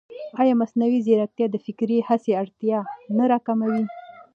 ایا مصنوعي ځیرکتیا د فکري هڅې اړتیا نه راکموي؟